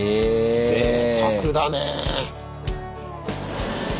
ぜいたくだねぇ。